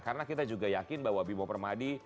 karena kita juga yakin bahwa bibo permadi